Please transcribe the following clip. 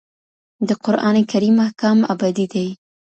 د قران کریم احکام ابدي دي.